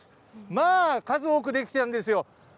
まあ、数多く出来てるんですよ。